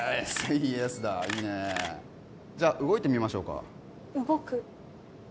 イエスだいいねじゃ動いてみましょうか動く？